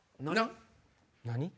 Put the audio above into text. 何？